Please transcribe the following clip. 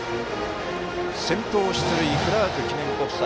先頭出塁、クラーク記念国際。